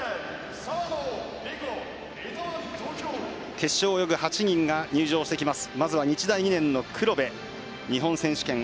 決勝を泳ぐ８人が入場してきます。